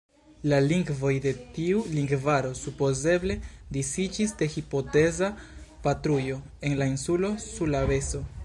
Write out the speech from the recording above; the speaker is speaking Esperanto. La lingvoj de tiu lingvaro supozeble disiĝis de hipoteza patrujo en la insulo Sulaveso.